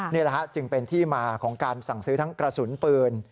นี่แหละฮะจึงเป็นที่มาของการสั่งซื้อทั้งกระสุนปืน